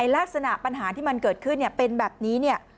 ลักษณะปัญหาที่มันเกิดขึ้นเป็นแบบนี้เนี่ย